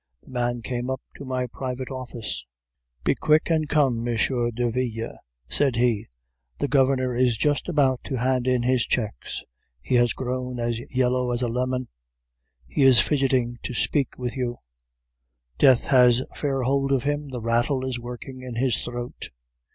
The man came up to my private office. "'Be quick and come, M. Derville,' said he, 'the governor is just going to hand in his checks; he has grown as yellow as a lemon; he is fidgeting to speak with you; death has fair hold of him; the rattle is working in his throat.